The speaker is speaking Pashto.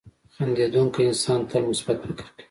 • خندېدونکی انسان تل مثبت فکر کوي.